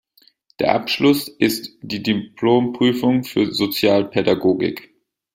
Der Abschluss ist die Diplomprüfung für Sozialpädagogik.